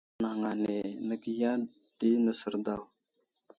Anaŋ ane nəgiya di nəsər daw.